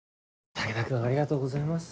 武田君ありがとうございました。